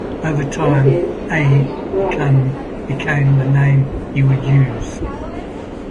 Over time, "A" became the name he would use.